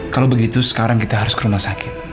kalau begitu sekarang kita harus ke rumah sakit